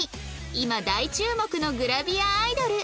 今大注目のグラビアアイドル